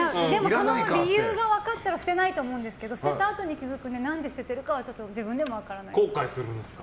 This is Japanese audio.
その理由が分かったら捨てないと思うんですけど捨てたあとに気づくので何で捨てたかは後悔するんですか？